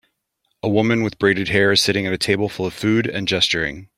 A woman with braided hair is sitting at a table full of food and gesturing.